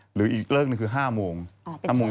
หรืออีกเรื่องนึงคือ๕โมง